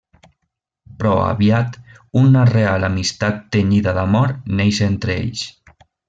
Però aviat, una real amistat tenyida d'amor neix entre ells.